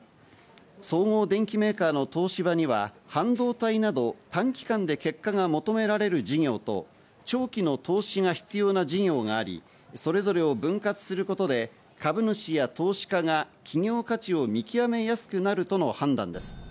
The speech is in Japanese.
総合電機メーカーの東芝には半導体など短期間で結果が求められる事業と長期の投資が必要な事業があり、それぞれを分割することで株主や投資家が企業価値を見極めやすくなるとの判断です。